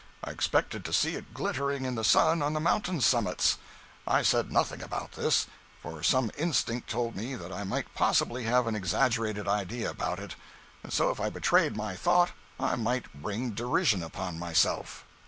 I expected to see it glittering in the sun on the mountain summits. I said nothing about this, for some instinct told me that I might possibly have an exaggerated idea about it, and so if I betrayed my thought I might bring derision upon myself.